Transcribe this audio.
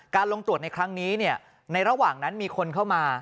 ลงตรวจในครั้งนี้ในระหว่างนั้นมีคนเข้ามา